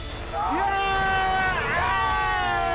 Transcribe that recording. イエーイ！